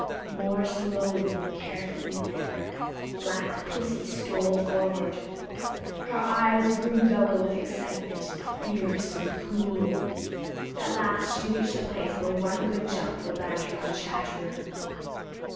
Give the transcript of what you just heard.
More slowly and carefully than ever, Black Pussy stole forward. Her eyes grew yellow with excitement, and fierce and cruel. At last she reached a place where one good jump would land her on Chatterer.